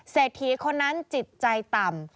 เศรษฐีคนนั้นจิตใจต่ำ